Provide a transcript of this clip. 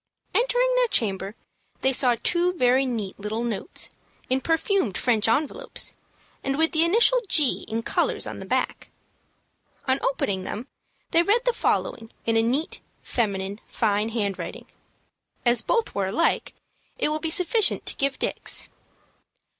Entering their chamber, they saw two very neat little notes, in perfumed French envelopes, and with the initial G in colors on the back. On opening them they read the following in a neat, feminine, fine handwriting. As both were alike, it will be sufficient to give Dick's.